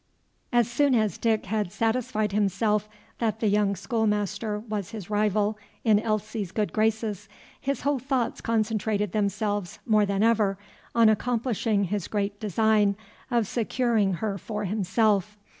As soon as Dick had satisfied himself that the young schoolmaster was his rival in Elsie's good graces, his whole thoughts concentrated themselves more than ever on accomplishing his great design of securing her for himself.